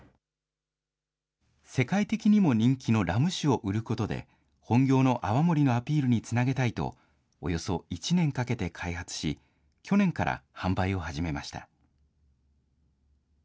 世界的にも人気のラム酒を売ることで、本業の泡盛のアピールにつなげたいと、およそ１年かけて開発し、去年から販売を始めました。